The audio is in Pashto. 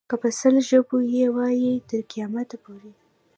که په سل ژبو یې وایې تر قیامته پورې.